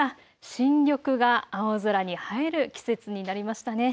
新緑が青空に映える季節になりましたね。